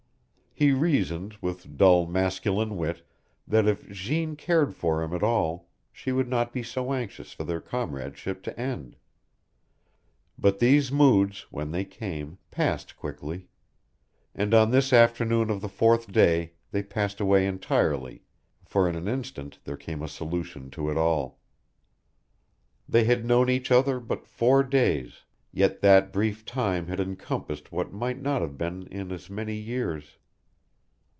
He reasoned, with dull, masculine wit, that if Jeanne cared for him at all she would not be so anxious for their comradeship to end. But these moods, when they came, passed quickly. And on this afternoon of the fourth day they passed away entirely, for in an instant there came a solution to it all. They had known each other but four days, yet that brief time had encompassed what might not have been in as many years.